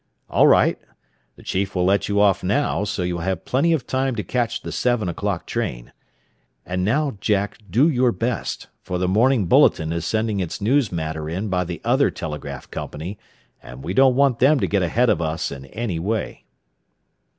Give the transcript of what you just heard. "All right. The chief will let you off now, so you will have plenty of time to catch the seven o'clock train. And now, Jack, do your best, for the 'Morning Bulletin' is sending its news matter in by the other telegraph company, and we don't want them to get ahead of us in any way."